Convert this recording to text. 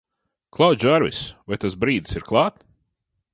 Klau, Džārvis, vai tas brīdis ir klāt?